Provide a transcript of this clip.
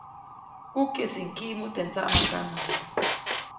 Kukyäjsiʼuŋ kiʼmu teʼ ndsaʼmakanaʼŋ.